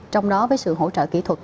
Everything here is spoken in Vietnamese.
trong đó với sự hỗ trợ kỹ thuật